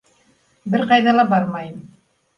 Бер ҡайҙа ла бармайым!